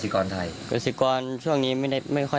แกก็นอนนี้พักผ่อน